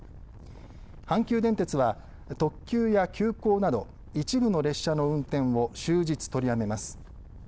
阪急電鉄は特急や急行など一部の列車の運転を終日、取りやめます。